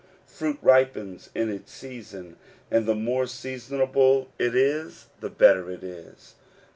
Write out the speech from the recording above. Fruit ripens in its season, and the more seasonable it is the better it is.